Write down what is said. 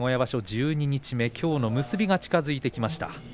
十二日目きょうの結びが近づいてきました。